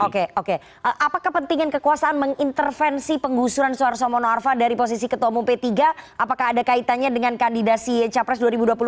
oke oke apa kepentingan kekuasaan mengintervensi penggusuran suarso mono arfa dari posisi ketua umum p tiga apakah ada kaitannya dengan kandidasi capres dua ribu dua puluh empat